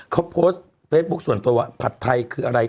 เขาโพสต์เฟซบุ๊คส่วนตัวว่าผัดไทยคืออะไร